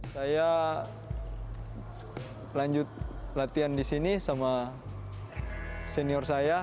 saya lanjut latihan di sini sama senior saya